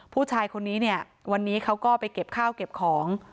ผู้ชายคนนี้เนี่ยวันนี้เขาก็ไปเก็บข้าวเก็บของ